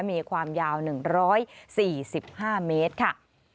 มีความยาว๑๔๕เมตรค่ะ